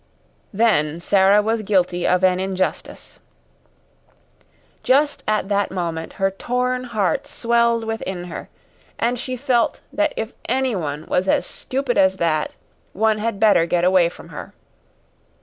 Then Sara was guilty of an injustice. Just at that moment her torn heart swelled within her, and she felt that if anyone was as stupid as that, one had better get away from her.